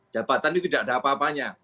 jabatan itu tidak ada apa apanya